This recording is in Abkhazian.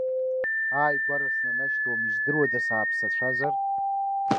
Ааигәара снанашьҭуам, издыруада сааԥсацәазар?